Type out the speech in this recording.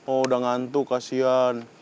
oh udah ngantuk kasihan